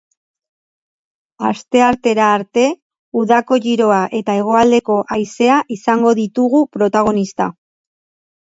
Asteartera arte, udako giroa eta hegoaldeko haizea izango ditugu protagonista.